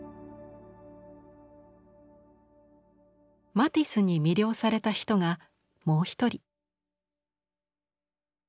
マティスに魅了された人がもう一人。